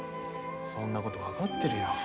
そんなこと分かってるよ。